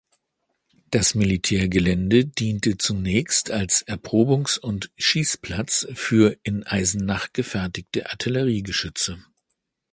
Das Militärgelände diente zunächst als Erprobungs- und Schießplatz für in Eisenach gefertigte Artilleriegeschütze.